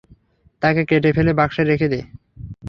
তাকে কেটে ফেলে বাক্সে রেখে দে।